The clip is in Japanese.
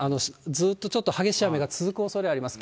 ずっとちょっと激しい雨が続くおそれがあります。